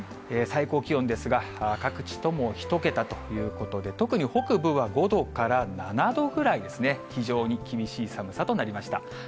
最高気温ですが、各地とも１桁ということで、特に北部は５度から７度ぐらいですね、非常に厳しい寒さとなりました。